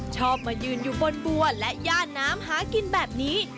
ชอบมายืนอยู่บนบัวและย่าน้ำหากินแบบนี้